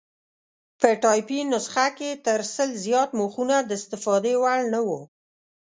په ټایپي نسخه کې تر سل زیات مخونه د استفادې وړ نه وو.